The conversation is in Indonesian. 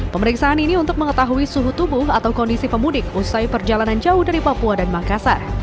pemeriksaan ini untuk mengetahui suhu tubuh atau kondisi pemudik usai perjalanan jauh dari papua dan makassar